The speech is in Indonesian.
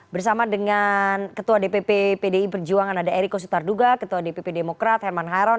bersama dengan ketua dpp pdi perjuangan ada eriko sutarduga ketua dpp demokrat herman hairon